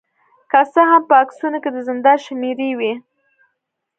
که څه هم په عکسونو کې د زندان شمیرې وې